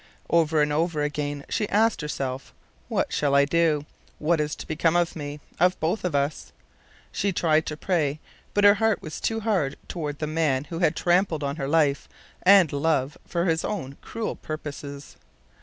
Over and over again she asked herself: "What shall I do? What is to become of me of both of us?" She tried to pray, but her heart was too hard toward the man who had trampled on her life and love for his own cruel purposes.